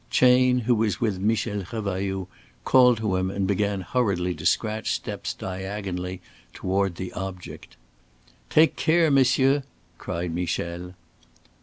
Chayne, who was with Michel Revailloud, called to him and began hurriedly to scratch steps diagonally toward the object. "Take care, monsieur," cried Michel.